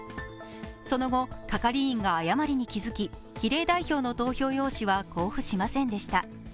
その後、係員が誤りに気づき比例代表の投票用紙は交付しませんでした。